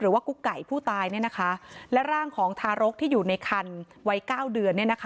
กุ๊กไก่ผู้ตายและร่างของทารกที่อยู่ในคันวัย๙เดือน